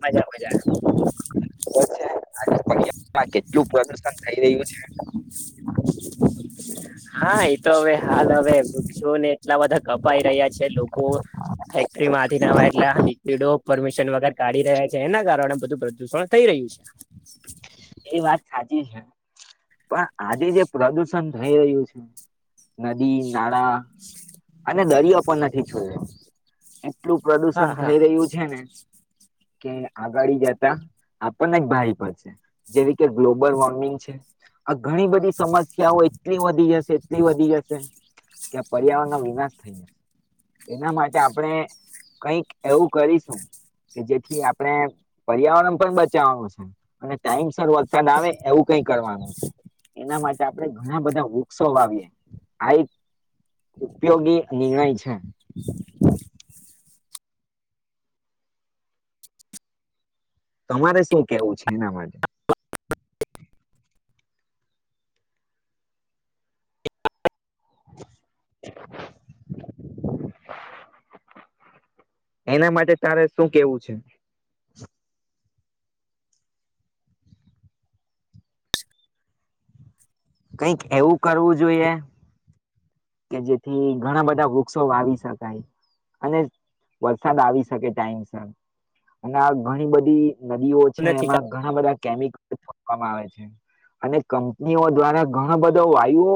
મજા મજા. આજમાં કેટલું પપ્રદુષણ થઈ રહ્યું છે. [inaudible] હા એતો હવે હાલ હવે વૃક્ષોને એટલા બધા કપાઈ રહ્યા છે લોકો ફેક્ટરીમાંથી ના એટલે લિક્વિડો પરમિશન વગર કાઢી રહ્યા છે એના કારણે બધું પ્રદુષણ થઈ રહ્યું છે. [inaudible] એ વાત સાચી છે. પણ આજે જે પ્રદુષણ થઈ રહ્યું છે નદી નાળા અને દરિયો પણ નથી છોડ્યો. એટલું હા પ્રદુષણ હા થઈ રહ્યું છે ને. કે આગળી જતા આપણને ભારી પડશે જેવી કે ગ્લોબલ વોર્મિંગ છે. આ ઘણી બધી સમસ્યા હોય. એટલી વધી જશે એટલી વધી જશે કે પર્યાવરણ નો વિનાશ વિનાશ થયે જશે એના માટે આપણે કઈક એવું કરીશું કે જેથી આપણે પર્યાવરણ પણ બચાવવાનું છે અને ટાઈમ સર વરસાદ આવે એવું કઈ. કરવાનું છે. એના માટે આપડે ઘણા બધા વૃક્ષો વાવીએ આ એક. ઉપયોગી નિર્ણય છે. તમારે શું કેવું છે એના માટે. એના માટે તારે શું કેવું છે. કઈક એવું કરવું જોઈએ. કે જેથી ઘણા બધા વૃક્ષો વાવી શકાય અને વરસાદ આવી શકે ટાઈમ અને આ ઘણી બધી. નદીઓ છે નથી એમાં ઘણા બધા કેમિક. આવે છે અને કંપનીઓ દ્વારા ઘણ બધો વાયુ.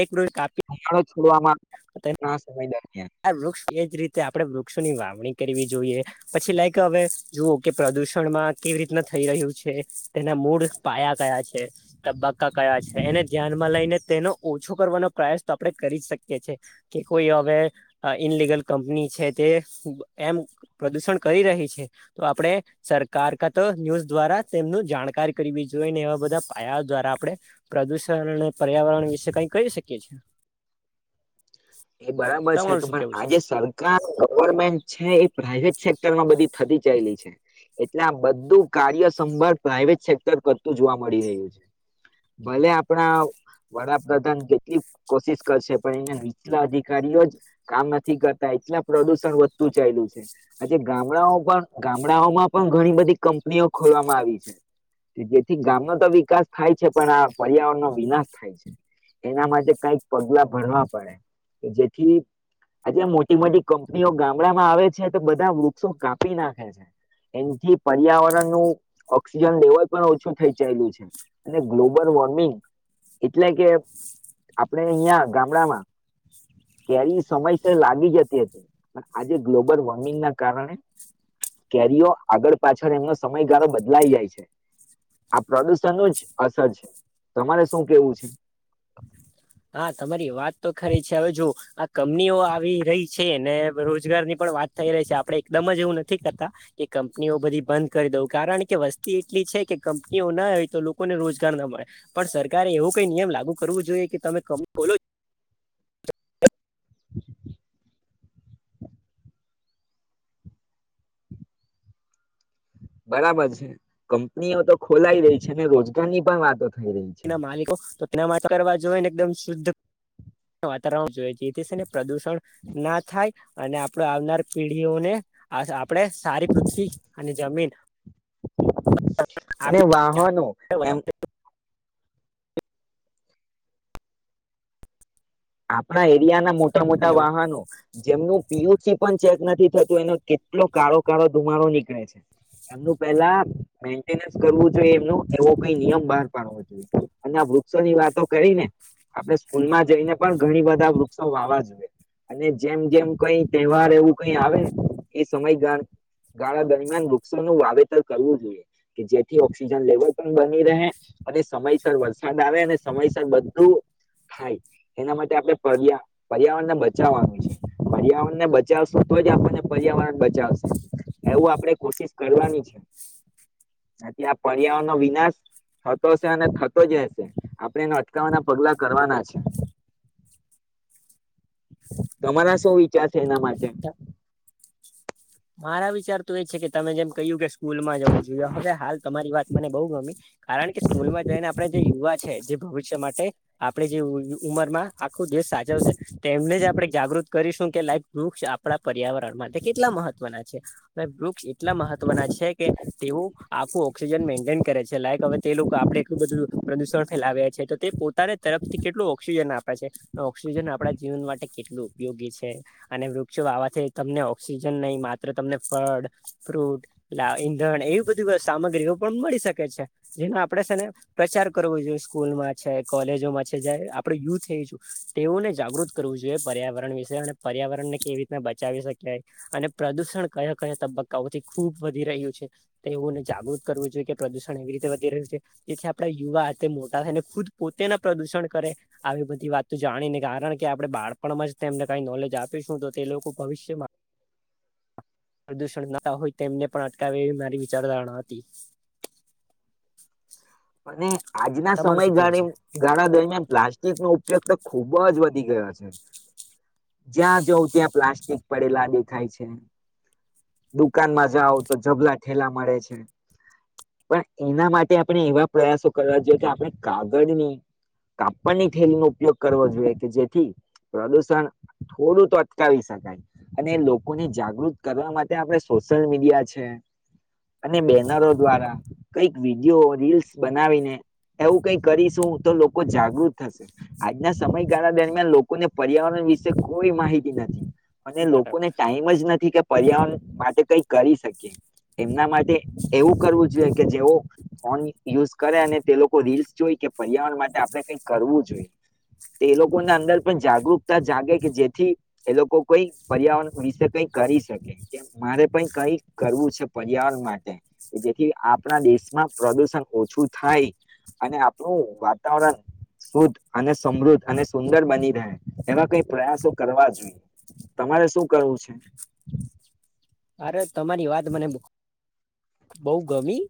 એક [unintelligible] કાપ હો છોડવામાં ના સમય. દરમિયાન આ વૃક્ષ એજ રીતે આપડે વૃક્ષ. ની વાવણી કરવી જોઈએ પછી લાયક હવે જુઓ કે પ્રદુષણમાં કેવી રીતના થઈ રહ્યું છે તેના મૂળ પાયા કયા છે તબક્કા કયા છે એને ધ્યાનમાં લઈને તેનો ઓછો કરવાનો પ્રયાસ તો આપણે કરી જ શકીએ છ છે કે કોઈ હવે. ઇનલિગલ કંપની છે તે એમ પ્રદુષણ કરી રહી છે તો આપણે સરકાર ક તો ન્યૂઝ દ્વારા તેમનું જાણકાર કરવી જોઈએ ને એવા બધા પાયા દ્વારા આપણે પ્રદુષણ અને પર્યાવરણ વિશે કઈ કરી શકીએ છ છેએ. એ બરાબર. પણ કેવું છે આજે સરકાર ગવર્મેન્ટ છે એ. પ્રાઈવેટ સેક્ટર માં બધી થતી ચાયલી છે એટલે આ બધું કાર્ય સંભળ પ્રાઈવેટ સેક્ટર કરતું જોવા મળી રહ્યું છે ભલે આપણા વડાપ્રધાન કેટલી કોશિશ કરશે પણ એને. એટલા અધિકારીઓ જ કામ નથી કરતા એટલા પ્રદુષણ વધતું ચાલલું છે આજે ગામડાઓ પણ ગામડાઓમાં પણ ઘણી બધી કંપનીઓ ખોલવામાં આવી છે જેથી ગામનો તો વિકાસ થાય છે પણ આ પર્યાવરણનો વિનાશ થાય છે એના માટે કઈક પગલા ભરવા પડે. જેથી આજે મોટી મોટી કંપનીઓ ગામડામાં આવે છે તો બધા વૃક્ષો કાપી નાખે છે એથી પર્યાવરણનું ઓક્સિજન લેવલ પણ ઓછું થઈ ચાયલું છે અને ગ્લોબલ વોર્મિંગ એટલે કે આપણે અહિયાં ગામડામાં. કેરી સમયસર લાગી જતી હતી પણ આજે ગ્લોબલ વોર્મિંગ ના કારણે કેરીઓ આગળ પાછળ એમનો સમયગાળો બદલાઈ જાય છે આ પ્રદુષણ નો જ અસર છે તમારે શું કેવું છે. હા તમારી વાત તો ખરી છે હવે જોુ આ કંપનીઓ આવી રહી છે ને રોજગારની પણ વાત થઈ રહી છે આપડે એકદમ જ એવું નથી કરતા કે કંપનીઓ બધી બંધ કરી દઉં કારણ કે વસ્તી એટલી છે કે કંપનીઓ ના હોય તો લોકોને રોજગાર ન મળે પણ સરકારે એવું કઈ નિયમ લાગુ કરવું જોઈએ કે તમે. કમ બોલો [inaudible] બરાબર છે કંપનીઓ તો ખોલાઈ રહી છે ને રોજગાર ની પણ વાતો થઈ રહી છે તે માલિકો તો [unintelligible] જો ને એકદમ શુદ્ધ વાતાવરણ જોય જેથી સેને પ્રદૂષણ ના થાય. અને આપડ આવનાર પેઢીઓને આપણેે સારી પૃથ્વી અને જમીન. અને આપી વાહનો એમ આપણા એરિયા ના મોટા મોટા હલો વાહનો, જેમનું પીસીઓ પણ ચેક નથી થતું એનો કેટલો કાળો કાળો ધુમાડો નીકળે છે, એમનું પેલા મેન્ટેનસ કરવું જોઈએ એમ એવો કઈ નિયમ બહાર પાડવો જોઈએ, અને આ વૃક્ષોની વાતો કરીને, આપણે સ્કૂલમાં જઈને પણ ઘણી બધા વૃક્ષો વાવા જોઈએ, અને જેમ જેમ કઈ તહેવાર એવું કઈ આવે એ સમયગાળ ગાળા દરમિયાન વૃક્ષોનું વાવેતર કરવું જોઈએ કે જેથી ઓક્સિજન લેવલ પણ બની રહે અને સમયસર વરસાદ આવે અને સમયસર બધું થાય. એના માટે આપણે પર્યા પર્યાવરણ ને બચાવવાનું છે પર્યાવરણને બચાવશું તો જ આપણને પર્યાવરણ બચાવશે એવું આપણે કોશિશ કરવાની છે થી આ પર્યાવરણનોો વિનાશ થતો છે અને થતો જ રહેશે, આપણે એને અટકાવવાના પગલા કરવાના છે. તમારા શું વિચાર છે એના માટે? મારા વિચાર તો એ છે કે તમે જેમ કહ્યું કે સ્કૂલમાં જવું જોઈએ હવે હાલ તમારી વાત મને બહુ ગમી, કારણ કે સ્કૂલમાં જઈને આપણે જે યુવા છે જે ભવિષ્ય માટે આપણે જે ઉંમરમાં આખો દેશ સાચવશે તેમને જ આપણે જાગૃત કરીશું, કે લાઈક વૃક્ષ આપણા પર્યાવરણમાં તે કેટલા મહત્વ વૃક્ષ એટલા મહત્વના છે કે તેવું આખું ઓક્સિજન મેન્ટેન કરે છે લાઇક હવે તે લોકો આપડે એટલું બધું પ્રદુષણ ફેલાવ્યા છે તો તે પોતાને તરફથી કેટલું ઓક્સિજન આપે છે, ઓક્સિજન આપણા જીવન માટે કેટલું ઉપયોગી છે અને વૃક્ષો આવાથી તમને ઓક્સિજન નહી મા તમને ફળ ફ્રૂટ પેલા ઈંધણ એવી બધી સામગ્રીઓ પણ મળી શકે છે, જેનો આપણેે છે ને પ્રચાર કરવો જોઈએ સ્કૂલમાં છે કોલેજોમાં છે જે આપણેું યુથ એ, તેઓને જાગૃત કરવું જોઈએ પર્યાવરણ વિશે અને પર્યાવરણને કેવી રીતના બચાવી શકિયે અને પ્રદુષણ કયા કયા તબક્કાઓથી ખૂબ વધી રહ્યું છે, તેઓને જાગૃત કરવું જોઈએ કે પ્રદુષણ એવી રીતે વધી રહ્યું છે, જેથી આપણા યુવા તે મોટા થાય ને ખુદ પોતેના પ્રદુષણ કરે, આવી બધી વાત જાણીને કારણ કે આપણે બાળપણમાં જ તેમને કઈ નોલેજ આપીશું તો તે લોકો ભવિષ્યમાં પ્રદૂષણ નતા હોય તેમને પણ અટકાવે એવી મારી વિચારધારણા હતી. અને આજના તમારું શું કેવું સમયગાળ છે ગાળા દરમિયાન પ્લાસ્ટ નો ઉપયોગ તો ખુબ જ વધ ગયા છે. જ્યાં જવ ત્યાં પ્લાસ્ટિક પડેલા દેખાય છે દુકાનમાં જાઓ તો જબલા ઠેલા મળે છે પણ એના માટે આપણે એવા પ્રયાસો કરવા જોઈએ કે આપણે કાગળની કાપડની થેલીનો ઉપયોગ કરવો જોઈએ કે જેથી પ્રદુષણ થોડું તો અટકાવી શકાય અને લોકોને જાગૃત કરવા માટે આપણે સોશિયલ મીડિયા છે, અને બેનરો દ્વારા કઈક વિડીયો રીલ્સ બનાવીને એવું કઈ કરીશું તો લોકો જાગૃત થશે આજના સમયગાળા દરમિયાન લોકોને પર્યાવરણ વિશે કોઈ માહિતી નથી. અને બરાબર લોકોને ટાઈમ જ નથી કે પર્યાવરણ માટે કઈ કરી શકીયે એમના માટે એવું કરવું જોઈએ કે જેવ હોન યુઝ કરે અને તે લોકો રીલ્સ જોઈ કે પર્યાવરણ માટે આપણે કઈ કરવું જોઈએ તે એ લોકોના અંદર પણ જાગૃતતા જાગે કે જેથી એ લોકો કઈ પર્યાવરણ વિશે કઈ કરી શકે કે મારે પણ કઈ કરવું છે પર્યાવરણ માટે કે જેથી આપણા દેશમાં પ્રદુષણ ઓછું થાય, અને આપણું વાતાવરણ શુદ્ધ અને સમૃદ્ધ અને સુંદર બની રહે, એવા કઈ પ્રયાસો કરવા જોઈએ, તમારે શું કરવું છે? અરે તમારી વાત મને બહ ગમી,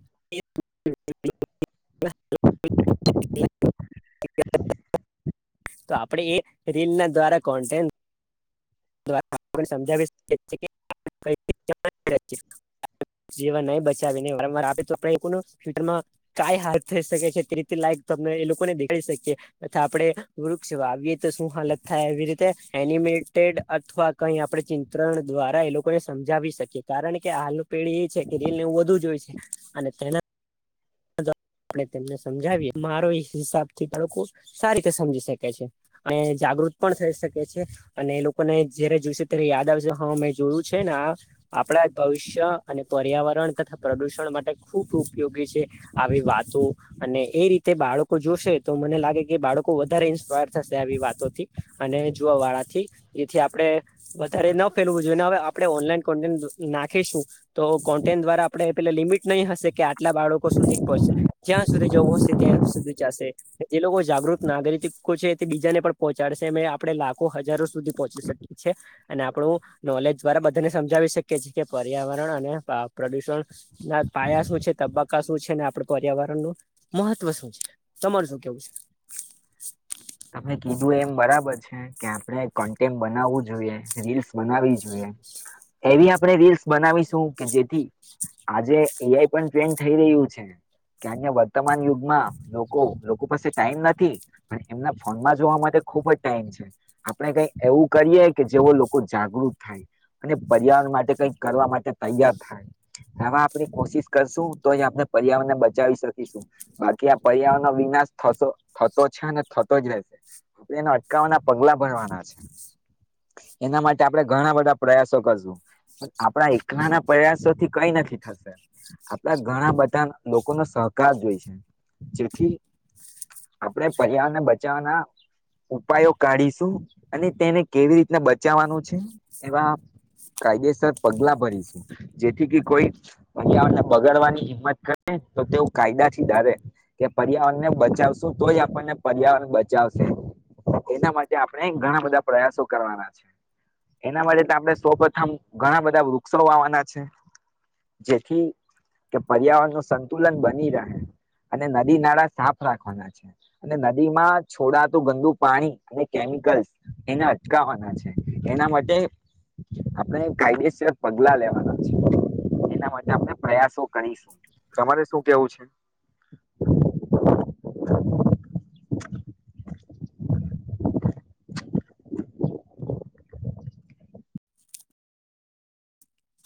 તો [unintelligible] આપણે એ રીલ ના દ્વારા કોન્ટે [unintelligible] બચાવીને વારવાર તો ફમાં ક હાલત થઈ શકે છે તે રીતે લાયકને એ લોકોને દેખાડી શકીએ તથા આપણે વૃક્ષ વાવીએ તો શું હાલત થાય એ રીતે એનિમેટેડ [unintelligible] અથવા કઈ આપણે ચિંત્રણ દ્વારા એ લોકોને સમજાવી શકીએ કારણ કે હાલનું પેઢી એ છે કે રેલનેવું વધુ જો હોય છે, અને તેના આપ તેમને સમજાવીએ મારો એ હિસાબ થી લોકો સારી રીતે સમજી શકે છે, અને જાગૃત પણ થઈ શકે છે, અને એ લોકોને જયારે જોઈશે ત્યારે યાદ આવશે હા મેં જોયું છે ને આપણા ભવિષ્ય અને પર્યાવરણ તથા પ્રદુષણ માટે ખૂબ ઉપયોગી છે આવી વાત તો અને એ રીતે બાળકો જોશે તો મને લાગે કે બાળકો વધારે ઈન્સ્પાયર થશે આવી વાતોથી અને જોવા વાળાથી એથી આપણે વધારે ન ફેલવું જોઈએ હવે આપણે ઓનલાઈન કોન્ટેન્ટ નાખીશું તો કોન્ટેન્ટ દ્વારા આપણે પેલા લિમિટ નહીં હશે કે આટલા બાળકો સુધી પહોંચશે. જ્યાં સુધી જવું હશે ત્યાં સુધી ચશે એ લોકો જાગૃત નાગરિક છે તે બીજાને પણ પહોંચાડશે અ આપડણે લાખો હજારો સુધી પહોંચી શકીએ છીએ, અને આપણું નોલેજ દ્વારા બધાને સમજાવી શકીએ છીએ, કે પર્યાવરણ અને પ્રદુષણ, ના પાયા શું છે તબક્કા શું છે ને આપડ પર્યાવરણ નું મહત્વ શું છે, તમાર શું કેવું છે? કીધું એમ બરાબર છે કે આપણે કન્ટેન્ટ બનાવવું જોઈએ રીલ્સ બનાવી જોઈએ, એવી આપણે રીલ્સ બનાવીશું કે જેથી આજે એઆઈ પણ ટ્રેન્ડ થઈ રહ્યું છે, કે અ વર્તમાન યુગમાં લોકો લોકો પાસે ટાઈમ નથી. એમ જોવા માટે ખુબ જ ટાઈમ છે આપણે કઈ એવું કરીય કે જેવો લોકો જાગૃત થાય અને પર્યાવરણ માટે કઈક કરવા માટે તૈયાર થાય આવા આપણી કોશિશ કરશું તો એ આપણે પર્યાવરણને બચાવી શકીશું બાકી આ પર્યાવરણ નો વિનાશ થ થતો છે ને એ અટકાવવાના પગલા ભરવાના છે એના માટે આપણે ઘણા બધા પ્રયાસો કરશું પણ આપણા એકલા ના પ્રયાસોથી કઈ નથી થશે આપડા ઘણા બધા લોકોનોો સહકાર જોઈ છે જેથી આપણે પર્યાવરણને બ ઉપાયો કાઢીશું અને તેને કેવી રીતને બચાવવાનું છે એવા કાયદેસર પગલા ભરીશું, જેથી કે કોઈ પર્યાવરણ ને બગાડવાની હિંમત કરે તો તેઓ કાયદા થી ડરે કે પર્યાવરણને બચાવશું તોય આપણને પર્યાવરણ બચાવશે એના માટે આપણે ઘણા બધા પ્રયાસો કરવાના છે, એના માટે આપણે સૌ પ્રથમ ઘણા બધા વૃક્ષો વાવાના છે, જેથી કે પર્યાવરણ નું સંતુલન બની રહે અને નદી નાળા સાફ રાખવાના છે, અને નદીમાં છોડાતું ગંદુ પાણી અને કેમિકલ્સ એને અટકાવવાના છે એના માટે આપણે કાયદેસર પગલા લેવાના છે એના માટે આપણે પ્રયાસો કરીશું તમારે શું કેવું છે?